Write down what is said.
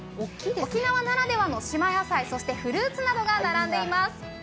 沖縄ならではの島野菜、そしてフルーツなどが並んでいます。